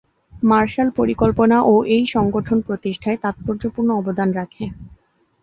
Martial পরিকল্পনা-ও এই সংগঠন প্রতিষ্ঠায় তাৎপর্যপূর্ণ অবদান রাখে।